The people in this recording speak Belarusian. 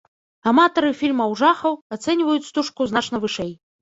Аматары фільмаў жахаў ацэньваюць стужку значна вышэй.